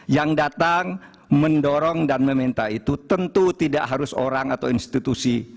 yang datang mendorong dan meminta itu tentu tidak harus orang atau institusi